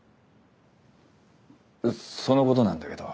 そのことなんだけど。